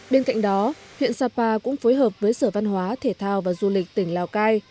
bên cạnh đó huyện sapa cũng phối hợp với sở văn hóa thể thao và du lịch tỉnh lào cai